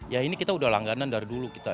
ya ini kita udah langganan dari dulu kita